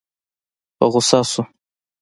په غوسه شو.